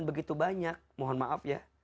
begitu banyak mohon maaf ya